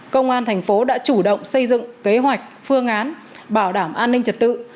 công an thành phố đã chủ động xây dựng kế hoạch phương án bảo đảm an ninh trật tự